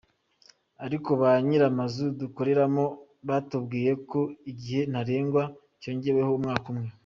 Ariko ba nyir’amazu dukoreramo batubwiye ko igihe ntarengwa cyongereweho umwaka umwe.